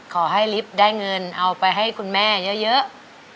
ขอให้ลิฟต์ได้เงินเอาไปให้คุณแม่เยอะ